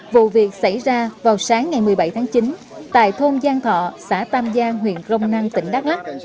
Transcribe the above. vụ việc xảy ra vào sáng ngày một mươi bảy tháng chín tại thôn giang thọ xã tam giang huyện crong năng tỉnh đắk lắc